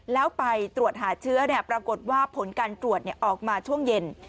แล้วไปตรวจหาเชื้อปรากฏว่าผลการตรวจออกมาช่วงเย็น